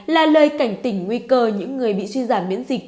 là lời cảnh tỉnh nguy cơ những người bị suy giảm miễn dịch